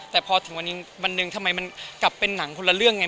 แต่พอถึงวันหนึ่งทำไมมันกลับเป็นหนังคนละเรื่องไง